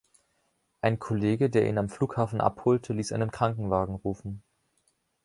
Ein Kollege, der ihn am Flughafen abholte, ließ einen Krankenwagen rufen.